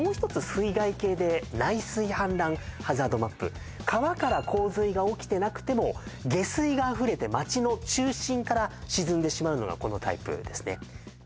水害系で内水氾濫ハザードマップ川から洪水が起きてなくても下水があふれて街の中心から沈んでしまうのがこのタイプですね